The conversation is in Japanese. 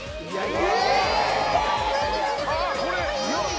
いや